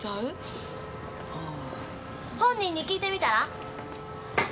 本人に聞いてみたら？